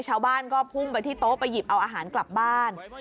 ชาวบ้านก็พุ่งไปที่โต๊ะไปหยิบเอาอาหารกลับบ้าน